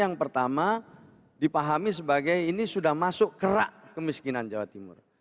yang pertama dipahami sebagai ini sudah masuk kerak kemiskinan jawa timur